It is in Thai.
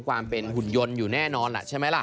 ความเป็นหุ่นยนต์อยู่แน่นอนล่ะใช่ไหมล่ะ